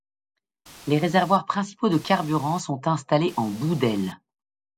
Les réservoirs principaux de carburant sont installés en bout d'aile.